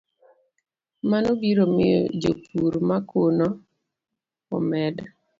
Mano biro miyo jopur ma kuno omed